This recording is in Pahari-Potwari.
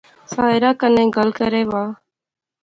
ساحرہ کنے گل کرے وہا